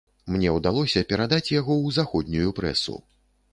Мне ўдалося перадаць яго ў заходнюю прэсу.